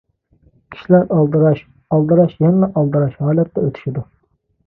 كىشىلەر ئالدىراش، ئالدىراش يەنىلا ئالدىراش ھالەتتە ئۆتۈشىدۇ.